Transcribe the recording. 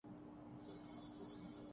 اپنے آپ کو حقدار ثواب قرار دے لیتےہیں